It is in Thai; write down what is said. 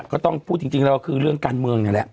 ก็ต้องพูดจริงแล้วก็คือเรื่องการเมืองนี่แหละ